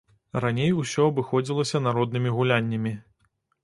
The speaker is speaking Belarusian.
Раней усё абыходзілася народнымі гуляннямі.